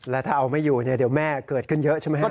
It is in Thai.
แล้วถ้าเอาไม่อยู่เนี่ยเดี๋ยวแม่เกิดขึ้นเยอะใช่ไหมครับ